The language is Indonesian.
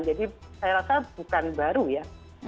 jadi saya rasa bukan baru ya